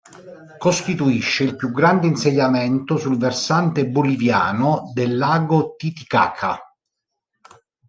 Costituisce il più grande insediamento sul versante boliviano del Lago Titicaca.